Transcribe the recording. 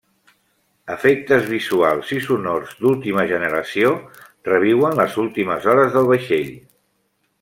Efectes visuals i sonors d'última generació reviuen les últimes hores del vaixell.